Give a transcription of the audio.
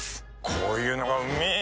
こういうのがうめぇ